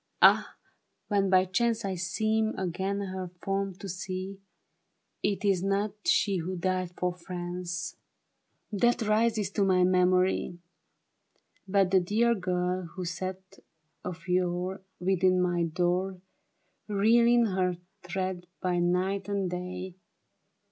Ah, when by chance I seem again her form to see, It is not she who died for France, 104 THE BARRICADE. • That rises to my memory ; But the dear girl who sat of yore Within my door, ReeHng her thread by night and day.